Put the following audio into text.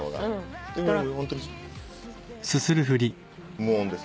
無音です。